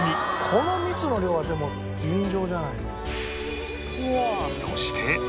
この蜜の量はでも尋常じゃないね。